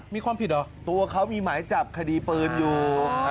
มีความผิดเหรอตัวเขามีหมายจับคดีปืนอยู่